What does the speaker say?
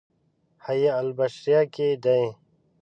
حیاة البشریة کې دی.